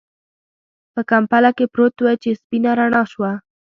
په کمپله کې پروت و چې سپينه رڼا شوه.